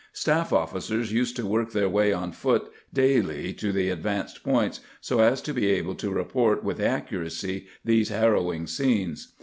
Staff officers used to work their way on foot daily to the advanced points, so as to be able to report with accuracy these harrowing scenes.